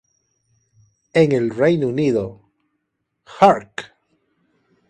En el Reino Unido, ""Hark!